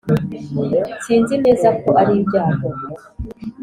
Sinzi neza ko ari ibyago